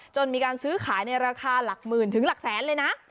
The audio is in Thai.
มีการซื้อขายในราคาหลักหมื่นถึงหลักแสนเลยนะ